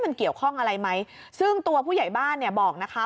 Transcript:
มันเกี่ยวข้องอะไรไหมซึ่งตัวผู้ใหญ่บ้านเนี่ยบอกนะคะ